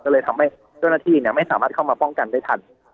ก็เลยทำให้เจ้าหน้าที่ไม่สามารถเข้ามาป้องกันได้ทัน